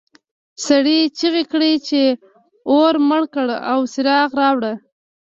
سړي چیغې کړې چې اور مړ کړه او څراغ راوړه.